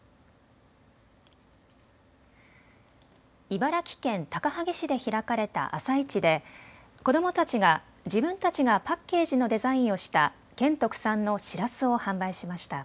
茨城県高萩市で開かれた朝市で子どもたちが自分たちがパッケージのデザインをした県特産のしらすを販売しました。